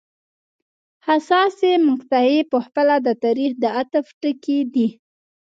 حساسې مقطعې په خپله د تاریخ د عطف ټکي دي.